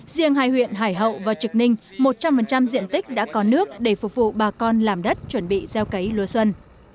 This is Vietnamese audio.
riêng hai huyện hải hậu và trực ninh một trăm linh diện tích đã có nước để phục vụ bà con làm đất chuẩn bị gieo cấy lúa xuân